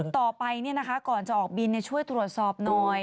ต่อไปก่อนจะออกบินช่วยตรวจสอบหน่อย